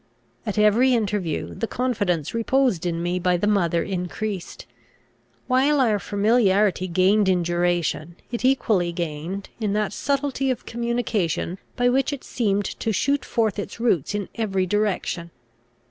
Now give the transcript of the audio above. At every interview, the confidence reposed in me by the mother increased. While our familiarity gained in duration, it equally gained in that subtlety of communication by which it seemed to shoot forth its roots in every direction.